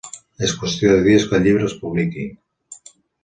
És qüestió de dies que el llibre es publiqui.